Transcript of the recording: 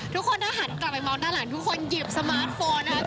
ทุกคนถ้าหันกลับไปมองด้านหลังทุกคนหยิบสมาร์ทโฟนนะครับ